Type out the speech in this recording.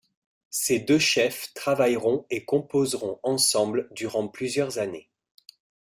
Ces deux chefs travailleront et composeront ensemble durant plusieurs années.